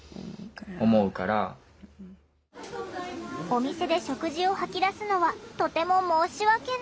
お店で食事を吐き出すのはとても申し訳ない。